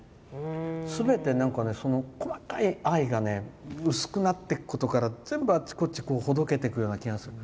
すべて、細かい愛がね薄くなっていくことから全部あちこちほどけていくような気がする。